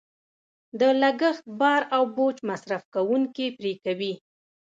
د لګښت بار او بوج مصرف کوونکې پرې کوي.